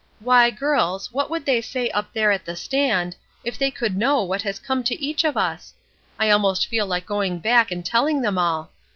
"Why, girls, what would they say up there at the stand, if they could know what has come to each of us! I almost feel like going back and telling them all.